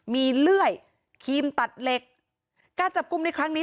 มีเลื่อยครีมตัดเหล็กการจับกลุ่มในครั้งนี้